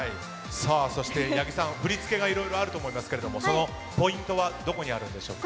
八木さん振付がいろいろあると思いますがそのポイントはどこにあるんでしょうか？